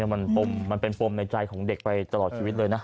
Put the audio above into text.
มันเป็นปมในใจของเด็กไปตลอดชีวิตเลยนะ